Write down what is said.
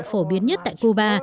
phổ biến nhất tại cuba